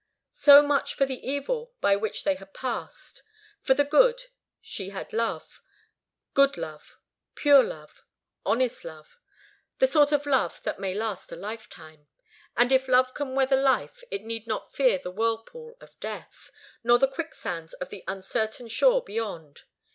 So much for the evil by which she had passed. For the good, she had love, good love, pure love, honest love the sort of love that may last a lifetime. And if love can weather life it need not fear the whirlpool of death, nor the quicksands of the uncertain shore beyond.